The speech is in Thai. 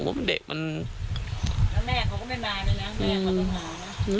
แล้วแม่เขาก็ไม่มาเลยนะแม่เขาต้องหานะ